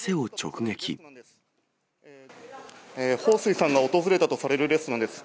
彭帥さんが訪れたとされるレストランです。